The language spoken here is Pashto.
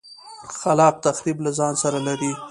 خلاق تخریب له ځان سره لري.